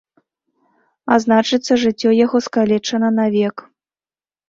А значыцца, жыццё яго скалечана навек.